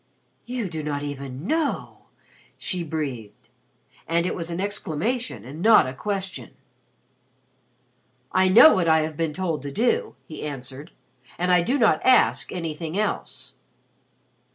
"You do not even know!" she breathed and it was an exclamation and not a question. "I know what I have been told to do," he answered. "I do not ask anything else."